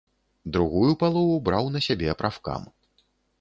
Другую палову браў на сябе прафкам.